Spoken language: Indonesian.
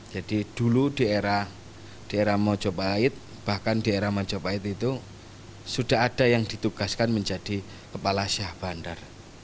jadi dulu di era mojobahit bahkan di era mojobahit itu sudah ada yang ditugaskan menjadi kepala syah bandar